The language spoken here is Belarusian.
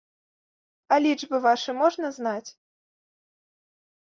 А лічбы вашы можна знаць?